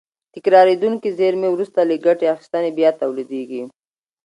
تکرارېدونکې زېرمې وروسته له ګټې اخیستنې بیا تولیدېږي.